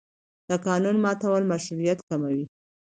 د قانون ماتول مشروعیت کموي